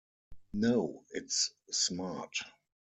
No, it's smart.